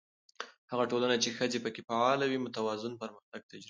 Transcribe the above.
هغه ټولنه چې ښځې پکې فعاله وي، متوازن پرمختګ تجربه کوي.